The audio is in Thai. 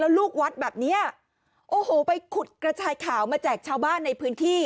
ลูกวัดแบบเนี้ยโอ้โหไปขุดกระชายขาวมาแจกชาวบ้านในพื้นที่